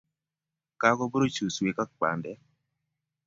kakopuruch suswek ak pandek